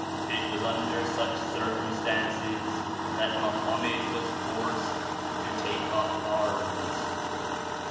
It was under such circumstances that Muhammad was forced to take up arms.